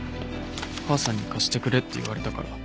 母さんに貸してくれって言われたから。